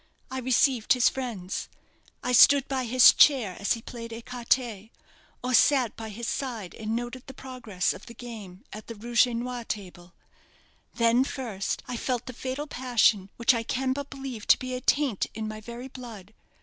I received his friends; I stood by his chair as he played écarté, or sat by his side and noted the progress of the game at the rouge et noir table. Then first I felt the fatal passion which I can but believe to be a taint in my very blood.